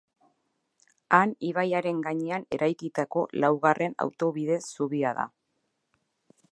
Han ibaiaren gainean eraikitako laugarren autobide zubia da.